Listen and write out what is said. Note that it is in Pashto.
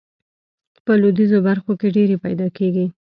په لویدیځو برخو کې ډیرې پیداکیږي.